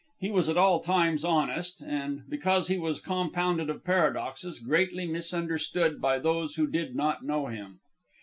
He was at all times honest, and, because he was compounded of paradoxes, greatly misunderstood by those who did not know him.